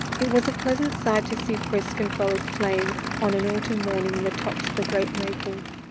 It was a pleasant sight to see Frisk and Frolic playing on an autumn morning in the tops of the great maples.